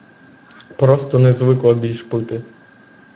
Просто не звикла більш пити.